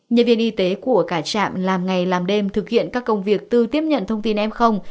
nhân viên y tế của cả trạm làm ngày làm đêm thực hiện các công việc tư tiếp nhận thông tin em không